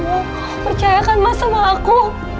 aku percayakan mas sama aku